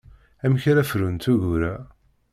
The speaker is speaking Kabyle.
Amek ara frunt ugur-a?